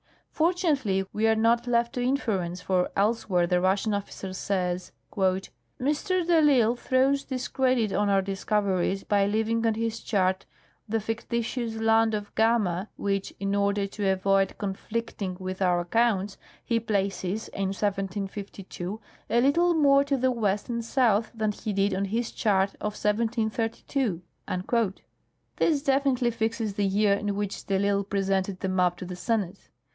Fortunately we are not left to inference, for elsewhere the Russian officer says :" Mr. de risle ' throws discredit on our discoveries by leaving on his chart the fictitious land of Gama, which, in order to avoid conflicting with our accounts, he places (in 1752) a little more to the west and south than he did on his chart of 1732.' " This definitely fixes the year in Avhich de ITsle presented the map to the Senate.